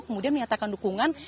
kemudian menyatakan dukungan